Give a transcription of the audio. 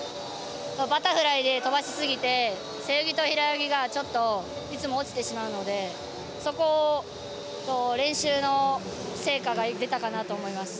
バタフライで飛ばしすぎて背泳ぎと平泳ぎがいつも落ちてしまうのでそこを練習の成果が出たかなと思います。